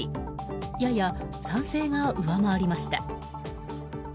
やや賛成が上回りました。